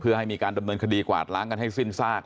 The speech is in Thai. เพื่อให้มีการดำเนินคดีกวาดล้างกันให้สิ้นซาก